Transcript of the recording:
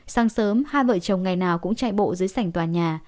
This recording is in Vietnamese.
sáng sớm hai vợ chồng ngày nào cũng chạy bộ dưới sảnh tòa nhà